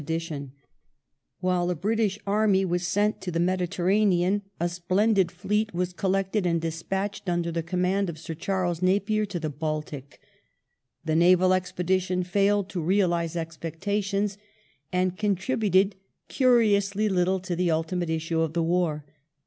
1 Argyll, ibid. p. lo. 228 THE COALITION AxND THE CRIMEAN WAR [1852 While a British army was sent to the Meditenanean a splen did fleet was collected and despatched, under the command of Sir Charles Napier, to the Baltic. The naval expedition failed to realize expectations, and contributed curiously little to the ulti mate issue of the war.